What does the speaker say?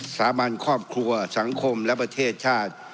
สาบันครอบครัวสังคมและประเทศชาติ